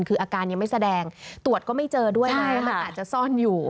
คืออาการยังไม่แสดงตรวจก็ไม่เจอด้วยนะว่ามันอาจจะซ่อนอยู่